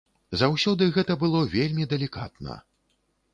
Заўсёды гэта было вельмі далікатна.